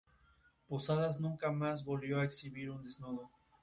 El final es la auto inmolación ante la imposibilidad de escapar de esa miseria.